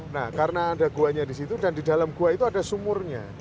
nah karena ada guanya di situ dan di dalam gua itu ada sumurnya